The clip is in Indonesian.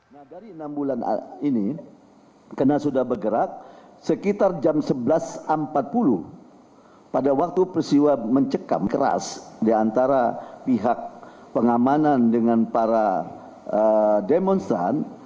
nah dari enam bulan ini karena sudah bergerak sekitar jam sebelas empat puluh pada waktu persiwa mencekam keras diantara pihak pengamanan dengan para demonstran